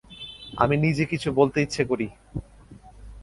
আমি নিজে কিছু বলতে ইচ্ছে করি।